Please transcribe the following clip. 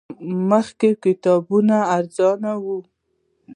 مخکې به کتابونه ارزان وو